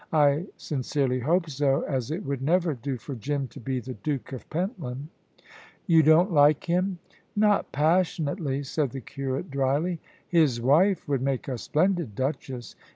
I sincerely hope so, as it would never do for Jim to be the Duke of Pentland." "You don't like him?" "Not passionately," said the curate, dryly. "His wife would make a splendid duchess."